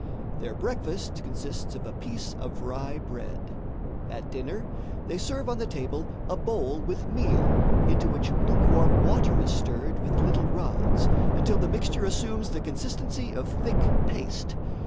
Their breakfast consists of a piece of rye bread. At dinner, they serve on the table a bowl with meal into which lukewarm water is stirred with little rods until the mixture assumes the consistency of thick paste.